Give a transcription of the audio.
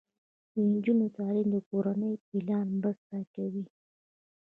د نجونو تعلیم د کورنۍ پلان مرسته کوي.